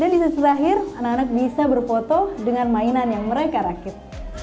dan di sisi terakhir anak anak bisa berfoto dengan mainan yang mereka rakit